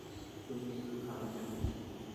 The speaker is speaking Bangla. তুমি একটু খাবে নাকি?